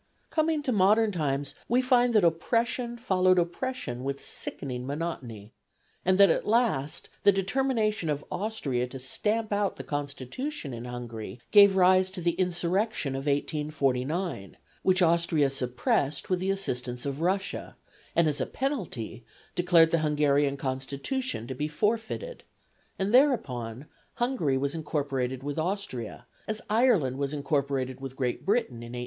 Coming to modern times we find that oppression followed oppression with sickening monotony, and that at last the determination of Austria to stamp out the Constitution in Hungary gave rise to the insurrection of 1849, which Austria suppressed with the assistance of Russia, and as a penalty declared the Hungarian Constitution to be forfeited, and thereupon Hungary was incorporated with Austria, as Ireland was incorporated with Great Britain in 1800.